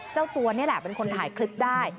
เจ้าตัวนี่แหละเป็นคนถ่ายคลิปได้